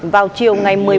vào chiều ngày một